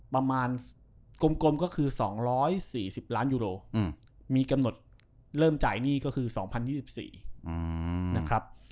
ประมาณกลมก็คือ๒๔๐ล้านยูโรมีกำหนดเริ่มจ่ายหนี้ก็คือ๒๐๒๔นะครับ